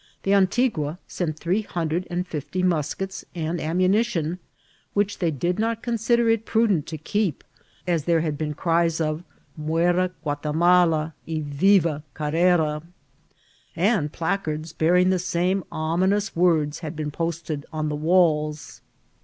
The Anti gua sent three hundred and fifty muskets, and ammuni tion, which they did not consider it prudent to keep, as there had been cries of ^^ muera Guatimala, y viya Car rara !" and placards bearing ihe same ominous words had been posted oh the walls.